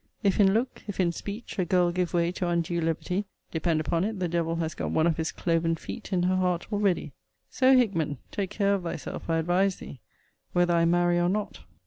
If in look, if in speech, a girl give way to undue levity, depend upon it the devil has got one of his cloven feet in her heart already so, Hickman, take care of thyself, I advise thee, whether I marry or not.